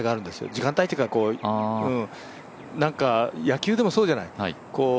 時間帯というか、なんか野球でもそうじゃない。